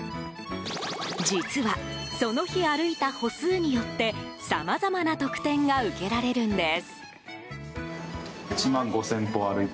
実はその日、歩いた歩数によってさまざまな特典が受けられるんです。